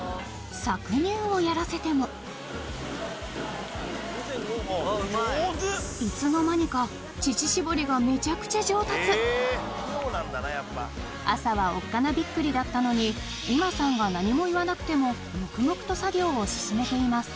搾乳をやらせても朝はおっかなびっくりだったのに今さんが何も言わなくても黙々と作業を進めています